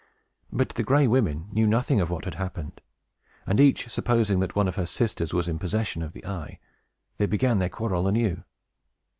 But the Gray Women knew nothing of what had happened; and, each supposing that one of her sisters was in possession of the eye, they began their quarrel anew.